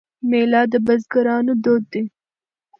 میله د بزګرانو دود دی.